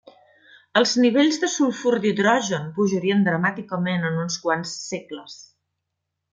Els nivells de sulfur d'hidrogen pujarien dramàticament en uns quants segles.